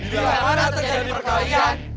di dalam mana terjadi perkawinan